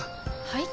はい？